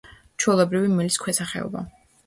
ჩვეულებრივი მელის ქვესახეობა.